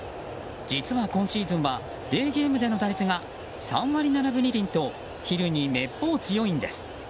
実は今シーズンはデーゲームでの打率が３割７分２厘と昼にめっぽう強いんです。